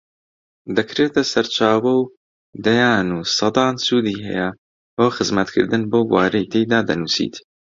دەکرێتە سەرچاوە و دەیان و سەدان سوودی هەیە بۆ خزمەتکردن بەو بوارەی تێیدا دەنووسیت